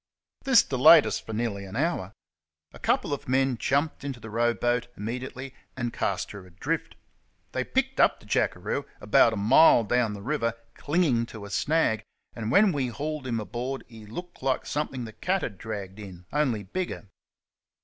This delayed us for nearly an hour. A. couple of men jumped into the row boat immediately and cast her adrift. They picked up the jackeroo about a mile down the river, clinging to a snag, and when we hauled him aboard he looked like something the cat had draggecfcfn, only bigger.